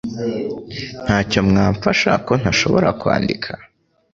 ntacyo mwamfasha ko ntashobora kwandika